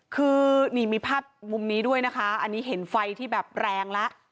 คือนี่มีภาพมุมนี้ด้วยนะคะอันนี้เห็นไฟที่แบบแรงแล้ว